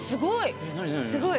すごい。